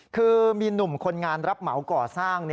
คือมีหนุ่มคนงานรับเหมาก่อสร้าง